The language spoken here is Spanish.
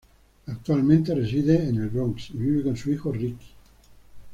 Actualmente reside en el Bronx y vive con su hijo Ricky.